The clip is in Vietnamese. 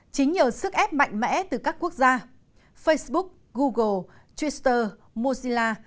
chính nhờ sức ép mạnh mẽ từ các quốc gia facebook google twitter mozilla